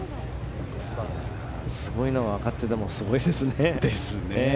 すごいのは分かっててもすごいですね。